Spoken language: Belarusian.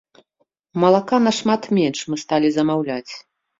Малака нашмат менш мы сталі замаўляць.